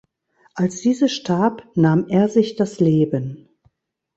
Als diese starb, nahm er sich das Leben.